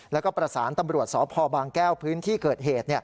แล้วก็ประสานตำรวจสพบางแก้วพื้นที่เกิดเหตุ